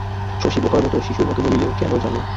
শশী বোকার মতো, শিশুর মতো বলিল, কেন যাবে?